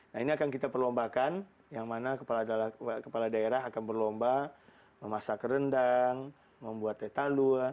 nah ini akan kita perlombakan yang mana kepala daerah akan berlomba memasak rendang membuat teh talu